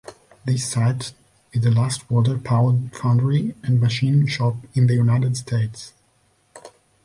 This site is the last water-powered foundry and machine shop in the United States.